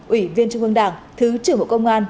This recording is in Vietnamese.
ủy viên trung hương đảng thứ trưởng hội công an